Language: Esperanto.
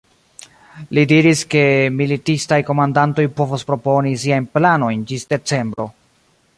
Li diris, ke militistaj komandantoj povos proponi siajn planojn ĝis decembro.